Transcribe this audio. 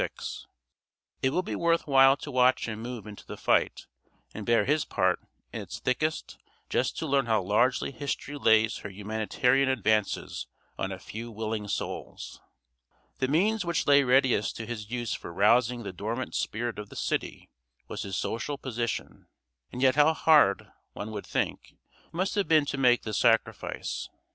It will be worth while to watch him move into the fight and bear his part in its thickest, just to learn how largely history lays her humanitarian advances on a few willing souls. The means which lay readiest to his use for rousing the dormant spirit of the city was his social position. And yet how hard, one would think, it must have been to make this sacrifice.